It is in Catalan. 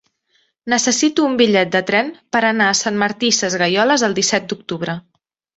Necessito un bitllet de tren per anar a Sant Martí Sesgueioles el disset d'octubre.